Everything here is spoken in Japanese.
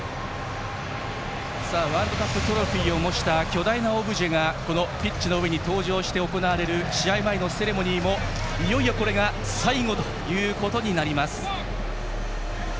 ワールドカップトロフィーを模した巨大なオブジェがピッチの上に登場して行われる試合前のセレモニーもいよいよ、これが最後となります。